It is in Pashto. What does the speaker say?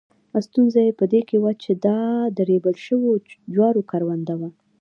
ستونزه یې په دې کې وه چې دا د ریبل شوو جوارو کرونده وه.